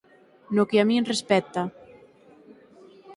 No que a min respecta